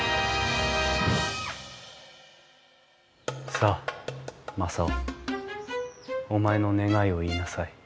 さあ正雄お前の願いを言いなさい。